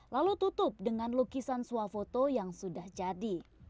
lalu tutup dengan lukisan swafoto yang sudah jadi